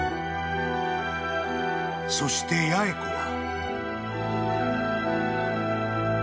［そして八重子は］